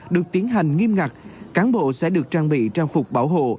được tiến hành nghiêm ngặt cán bộ sẽ được trang bị trang phục bảo hộ